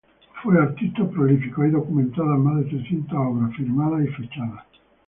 Fue artista prolífico; hay documentadas más de trescientas obras firmadas y fechadas.